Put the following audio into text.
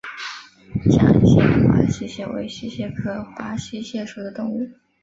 绛县华溪蟹为溪蟹科华溪蟹属的动物。